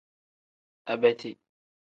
Abeti.